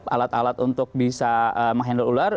alat alat untuk bisa menghandle ular